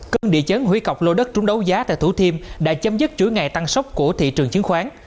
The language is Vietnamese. cân địa chấn hủy cọc lô đất trúng đấu giá tại thủ thiêm đã chấm dứt chuỗi ngày tăng sốc của thị trường chứng khoán